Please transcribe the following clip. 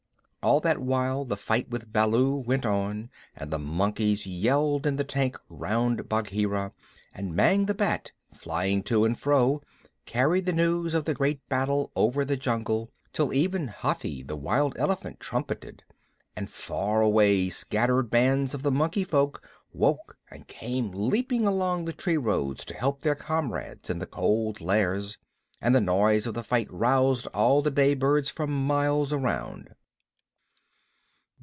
All that while the fight with Baloo went on, and the monkeys yelled in the tank round Bagheera, and Mang the Bat, flying to and fro, carried the news of the great battle over the jungle, till even Hathi the Wild Elephant trumpeted, and, far away, scattered bands of the Monkey Folk woke and came leaping along the tree roads to help their comrades in the Cold Lairs, and the noise of the fight roused all the day birds for miles round.